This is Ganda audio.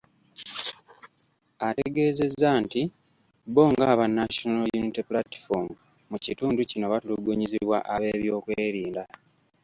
Ategeezezza nti bo ng'aba National Unity Platform mu kitundu kino, batulugunyizibwa ab'ebyokwerinda.